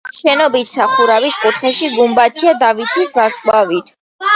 შენობის სახურავის კუთხეში გუმბათია დავითის ვარსკვლავით.